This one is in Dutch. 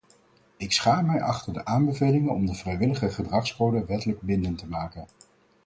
Ik schaar mij achter de aanbeveling om de vrijwillige gedragscode wettelijk bindend te maken.